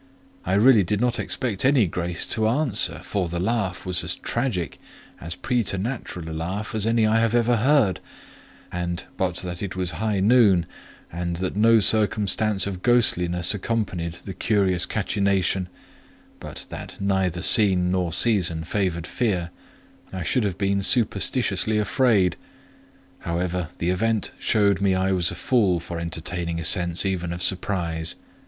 I really did not expect any Grace to answer; for the laugh was as tragic, as preternatural a laugh as any I ever heard; and, but that it was high noon, and that no circumstance of ghostliness accompanied the curious cachinnation; but that neither scene nor season favoured fear, I should have been superstitiously afraid. However, the event showed me I was a fool for entertaining a sense even of surprise.